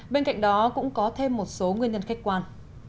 bên cạnh đó cũng có thêm một số nguyên nhân khách quan